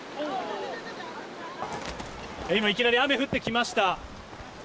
今いきなり雨が降ってきました。